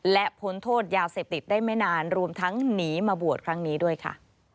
และพ้นโทษยาเสพติดได้ไม่นานรวมทั้งหนีมาบวชครั้งนี้ด้วยค่ะ